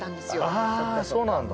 あそうなんだ。